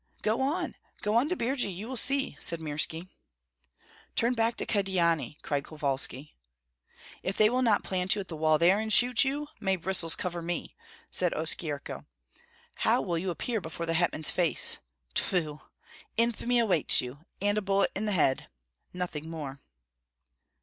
"Go on, go on to Birji; you will see!" said Mirski. "Turn back to Kyedani," cried Kovalski. "If they will not plant you at the wall there and shoot you, may bristles cover me!" said Oskyerko. "How will you appear before the hetman's face? Tfu! Infamy awaits you, and a bullet in the head, nothing more."